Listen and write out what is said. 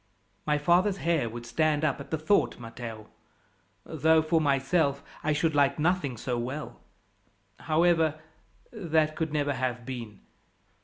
"My father's hair would stand up at the thought, Matteo; though, for myself, I should like nothing so well. However, that could never have been.